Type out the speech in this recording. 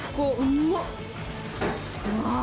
うわ！